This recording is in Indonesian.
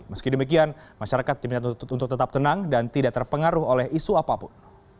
meski demikian masyarakat diminta untuk tetap tenang dan tidak terpengaruh oleh isu apapun